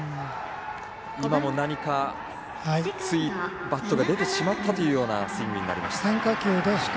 今も何か、ついバットが出てしまったようなスイングになりました。